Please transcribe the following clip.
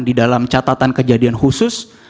di dalam catatan kejadian khusus